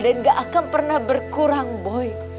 dan gak akan pernah berkurang boy